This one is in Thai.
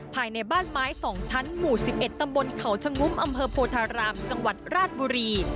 ภายในบ้านไม้๒ชั้นหมู่๑๑ตำบลเขาชะงุมอำเภอโพธารามจังหวัดราชบุรี